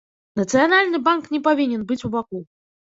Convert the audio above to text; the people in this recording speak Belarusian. Нацыянальны банк не павінен быць убаку.